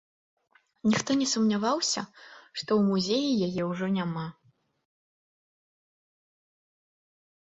Ніхто не сумняваўся, што ў музеі яе ўжо няма.